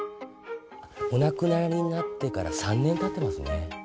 お亡くなりになってから３年たってますね。